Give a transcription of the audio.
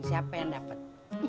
siapa yang dapat